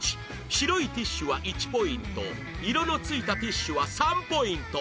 白いティッシュは１ポイント色の付いたティッシュは３ポイント